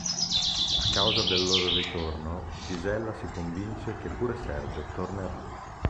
A causa del loro ritorno, Gisella si convince che pure Sergio tornerà.